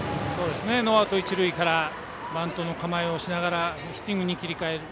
ノーアウト一塁からバントの構えをしながらヒッティングに切り替える。